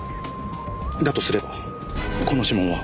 だとすればこの指紋は。